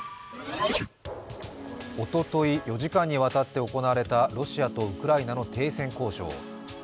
おととい、４時間にわたって行われたロシアとウクライナの停戦交渉。